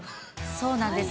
そうなんです。